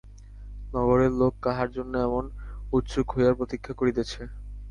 নগরের লোক কাহার জন্য এমন উৎসুক হইয়া প্রতীক্ষা করিতেছে।